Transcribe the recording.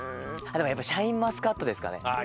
でもやっぱりシャインマスカットですかね。